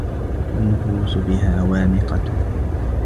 وَالنُّفُوسَ بِهَا وَامِقَةٌ